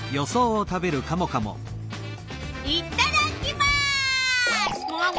いっただっきます！